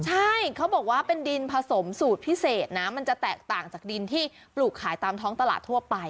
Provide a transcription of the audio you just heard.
ใช่เขาบอกว่าเป็นดินผสมสูตรพิเศษนะมันจะแตกต่างจากดินที่ปลูกขายตามท้องตลาดทั่วไป